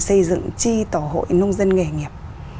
đi dựng tri tổ hội nông dân nghề nghiệp